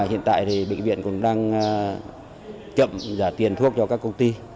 hiện tại thì bệnh viện cũng đang chậm giả tiền thuốc cho các công ty